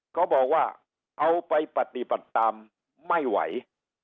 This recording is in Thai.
เขาบอกว่าเอาไปปฏิบัติตามไม่ไหว